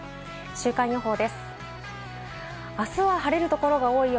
週間予報です。